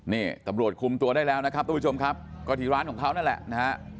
นี่ตำรวจคุมตัวได้แล้วนะครับทุกผู้ชมครับก็ที่ร้านของเขานั่นแหละนะฮะ